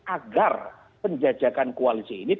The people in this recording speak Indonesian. agar penjajakan koalisi ini